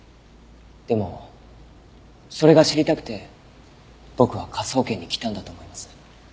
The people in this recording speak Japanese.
でもそれが知りたくて僕は科捜研に来たんだと思います。